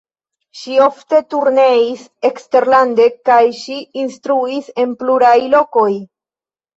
Ŝi ofte turneis eksterlande kaj ŝi instruis en pluraj lokoj.